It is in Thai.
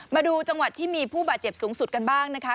มาดูจังหวัดที่มีผู้บาดเจ็บสูงสุดกันบ้างนะคะ